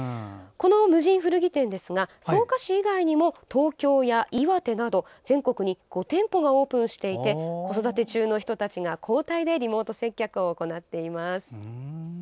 この無人古着店ですが草加市以外にも東京や岩手など全国に５店舗オープンしていて子育て中の人たちが交代でリモート接客を行っています。